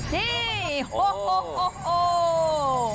นี่โฮโฮโฮโฮ